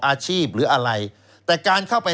อาชีพหรืออะไรแต่การเข้าไป